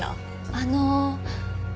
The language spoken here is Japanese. あの。